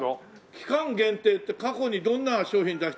期間限定って過去にどんな商品出してきたんですか？